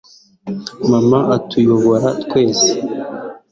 mama atuyobora twese